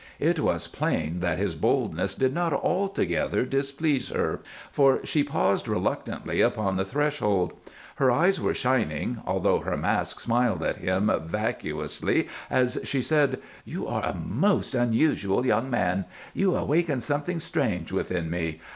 It was plain that his boldness did not altogether displease her, for she paused reluctantly upon the threshold. Her eyes were shining, although her mask smiled at him vacuously as she said: "You are a most unusual young man. You awaken something strange within me.